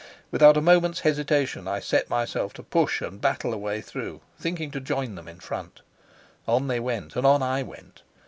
Without a moment's hesitation I set myself to push and battle a way through, thinking to join them in front. On they went, and on I went.